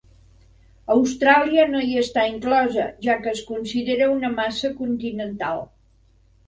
Austràlia no hi està inclosa, ja que es considera una massa continental.